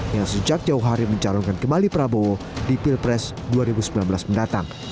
yang sejak jauh hari mencalonkan kembali prabowo di pilpres dua ribu sembilan belas mendatang